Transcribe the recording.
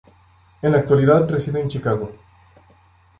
En la actualidad reside en Chicago.